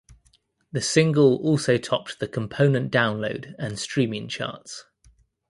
The single also topped the component Download and Streaming charts.